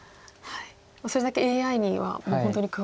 それだけＡＩにはもう本当に詳しいと。